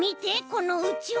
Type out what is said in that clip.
このうちわ！